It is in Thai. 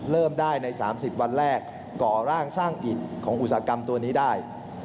เริ่มได้ใน๓๐วันแรกก่อร่างสร้างอิดของอุตสาหกรรมตัวนี้ได้